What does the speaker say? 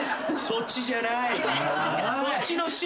そっちじゃない。